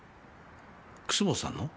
楠本さんの？